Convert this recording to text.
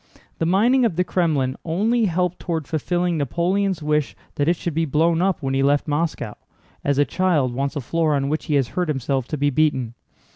The mining of the Krémlin only helped toward fulfilling Napoleon's wish that it should be blown up when he left Moscow—as a child wants the floor on which he has hurt himself to be beaten.